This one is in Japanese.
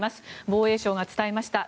防衛省が伝えました。